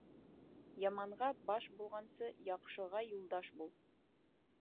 Яманға баш булғансы, яҡшыға юлдаш бул.